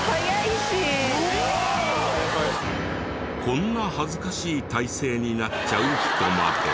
こんな恥ずかしい体勢になっちゃう人まで。